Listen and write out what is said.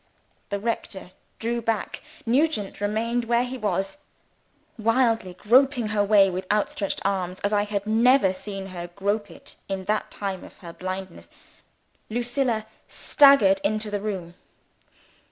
(The rector drew back; Nugent remained where he was.) Wildly groping her way with outstretched arms, as I had never seen her grope it in the time of her blindness, Lucilla staggered into the room.